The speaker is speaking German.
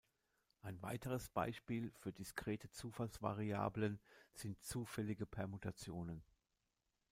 Ein weiteres Beispiel für diskrete Zufallsvariablen sind zufällige Permutationen.